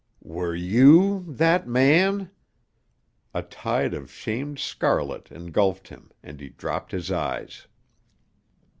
"Were you that man?" A tide of shamed scarlet engulfed him and he dropped his eyes.